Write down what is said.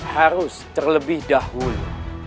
harus terlebih dahulu